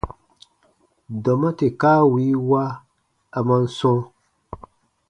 Dɔma tè kaa wii wa, a man sɔ̃: